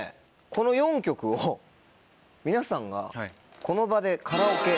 この４曲を皆さんがこの場で。